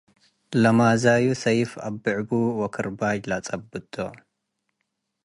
ለማዛዩ ሰይፍ አብዕቡ ወክርባጅ ለአጸብጡ ።